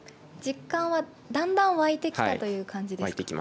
実感は、だんだんわいてきたという感じですか？